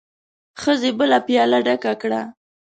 ښځې بله پياله ډکه کړه.